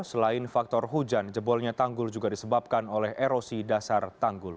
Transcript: selain faktor hujan jebolnya tanggul juga disebabkan oleh erosi dasar tanggul